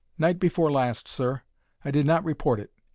"Night before last, sir. I did not report it.